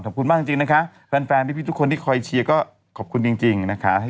ขอบคุณมากจริงนะคะแฟนพี่ทุกคนที่คอยเชียร์ก็ขอบคุณจริงนะคะ